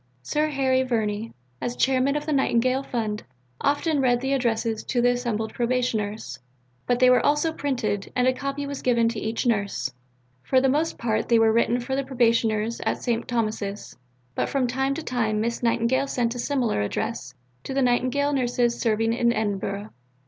Sir Harry Verney, as chairman of the Nightingale Fund, often read the addresses to the assembled Probationers, but they were also printed, and a copy was given to each nurse. For the most part they were written for the Probationers at St. Thomas's, but from time to time Miss Nightingale sent a similar address to the Nightingale Nurses serving in Edinburgh.